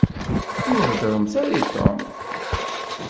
Ur heddṛemt ara i Tom.